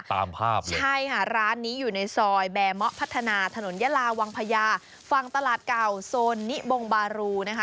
ตามภาพเลยใช่ค่ะร้านนี้อยู่ในซอยแบมะพัฒนาถนนยาลาวังพญาฝั่งตลาดเก่าโซนนิบงบารูนะคะ